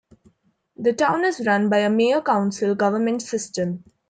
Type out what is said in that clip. The town is run by a Mayor-council government system.